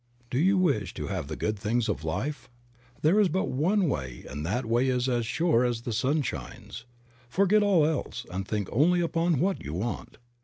Do you wish to have the good things of life ? There is but one way and that way is as sure as that the sun shines. Forget all else and think only upon what you want.